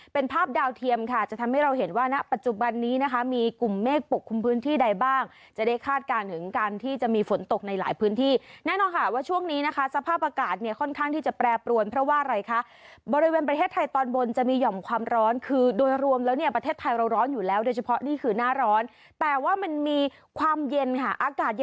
เป็นภาพดาวเทียมค่ะจะทำให้เราเห็นว่าณปัจจุบันนี้นะคะมีกลุ่มเมฆปกคุมพื้นที่ใดบ้างจะได้คาดการณ์ถึงการที่จะมีฝนตกในหลายพื้นที่แน่นอนค่ะว่าช่วงนี้นะคะสภาพอากาศเนี่ยค่อนข้างที่จะแปรปรวนเพราะว่าอะไรคะบริเวณประเทศไทยตอนบนจะมีหย่อมความร้อนคือโดยรวมแล้วเนี่ยประเทศไทยเราร